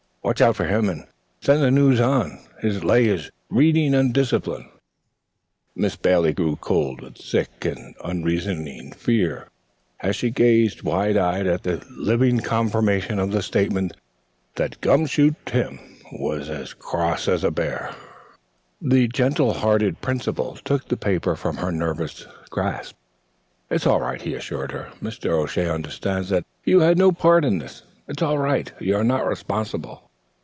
Watch out for him, and send the news on. His lay is reading and discipline." Miss Bailey grew cold with sick and unreasoning fear. As she gazed wide eyed at the living confirmation of the statement that "Gum Shoe Tim" was "as cross as a bear," the gentle hearted Principal took the paper from her nerveless grasp. "It's all right," he assured her. "Mr. O'Shea understands that you had no part in this. It's all right. You are not responsible."